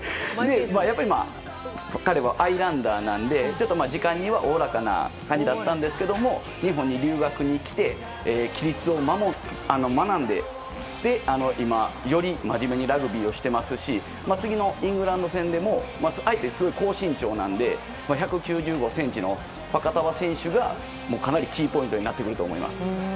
やっぱり、彼はアイランダーなので時間にはおおらかな感じだったんですけど日本に留学に来て規律を学んで今、より真面目にラグビーをしていますし次のイングランド戦でも相手、高身長なので１９５ｃｍのファカタヴァ選手がかなりキーポイントになってくると思います。